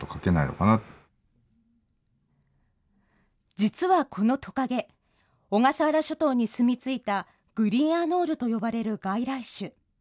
実はこのトカゲ、小笠原諸島に住み着いた、グリーンアノールと呼ばれる外来種。